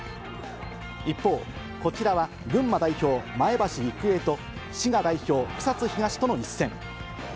一方、こちらは群馬代表、前橋育英と、志賀代表、草津東との一戦。